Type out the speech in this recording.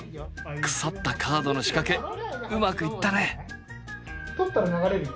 腐ったカードの仕掛けうまくいったね。